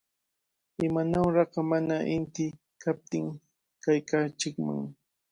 ¡Imanawraq mana inti kaptin kaykanchikman!